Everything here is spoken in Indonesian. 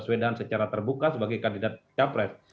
tapi itu sudah siap secara terbuka sebagai kandidat kampret